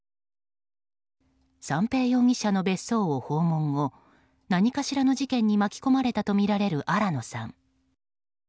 三瓶容疑者の別荘を訪問後何かしらの事件に巻き込まれたとみられる新野さん。